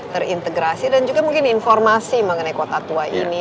terintegrasi dan juga mungkin informasi mengenai kota tua ini